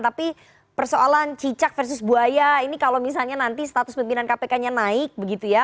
tapi persoalan cicak versus buaya ini kalau misalnya nanti status pimpinan kpk nya naik begitu ya